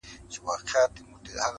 چي تېغ چلېږي، وينه بهېږي.